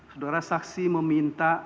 sudara saksi meminta